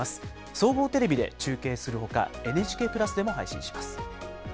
総合テレビで中継するほか、ＮＨＫプラスでも配信します。